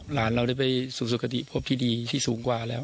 หลานเราได้ไปสู่สุขติพบที่ดีที่สูงกว่าแล้ว